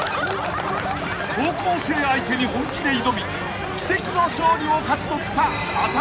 ［高校生相手に本気で挑み奇跡の勝利を勝ち取った］